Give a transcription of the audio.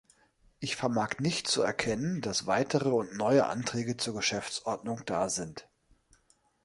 Ich vermag nicht zu erkennen, dass weitere und neue Anträge zur Geschäftsordnung da sind.